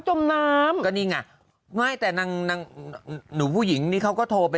จมน้ำก็นี่ไงไม่แต่นางนางหนูผู้หญิงนี่เขาก็โทรไป